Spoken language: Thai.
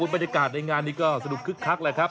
บรรยากาศในงานนี้ก็สนุกคึกคักแหละครับ